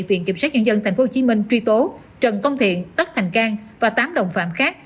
viện kiểm sát nhân dân tp hcm truy tố trần công thiện tất thành cang và tám đồng phạm khác